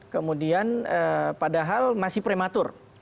kemudian padahal masih prematur